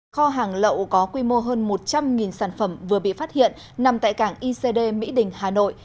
kho hàng lậu có quy mô hơn một trăm linh sản phẩm vừa bị phát hiện nằm tại cảng icd mỹ đình hà nội